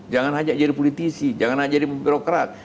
jangan saja jadi politisi jangan saja jadi bero krat